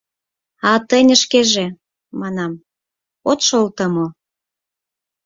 — А тынь шкеже, — манам, — от шолто мо?